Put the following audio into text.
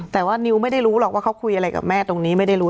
แต่ว่านิวไม่ได้รู้หรอกว่าเขาคุยอะไรกับแม่ตรงนี้ไม่ได้รู้